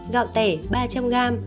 gạo tẻ ba trăm linh g